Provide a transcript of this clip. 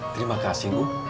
terima kasih ibu